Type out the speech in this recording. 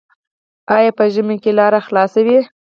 آیا په ژمي کې لاره خلاصه وي؟